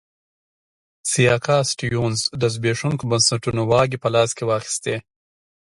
سیاکا سټیونز د زبېښونکو بنسټونو واګې په لاس کې واخیستې.